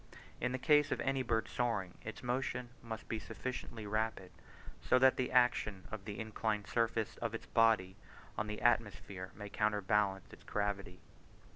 In the case of any bird soaring, its motion must be sufficiently rapid so that the action of the inclined surface of its body on the atmosphere may counterbalance its gravity.